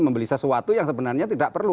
membeli sesuatu yang sebenarnya tidak perlu